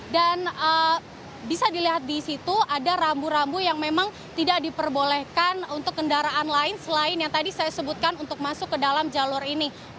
dan bisa dilihat di situ ada rambu rambu yang memang tidak diperbolehkan untuk kendaraan lain selain yang tadi saya sebutkan untuk masuk ke dalam jalur ini